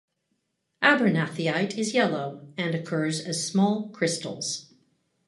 Abernathyite is yellow and occurs as small crystals.